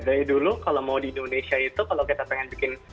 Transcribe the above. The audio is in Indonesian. dari dulu kalau mau di indonesia itu kalau kita pengen bikin